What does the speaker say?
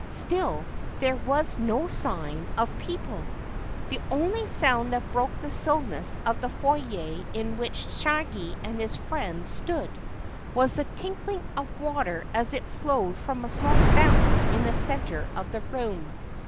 Still there was no sign of people. The only sound that broke the stillness of the foyer in which Shaggy and his friends stood was the tinkling of water as it flowed from a small fountain in the center of the room.